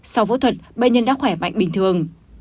sau phẫu thuật bệnh nhân đã khỏe mạnh bình thường